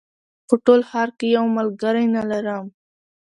په ټول ښار کې یو ملګری نه لرم